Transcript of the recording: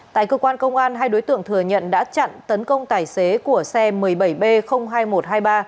tại cơ quan công an hai đối tượng thừa nhận đã chặn tấn công tài xế của xe một mươi bảy b hai nghìn một trăm hai mươi ba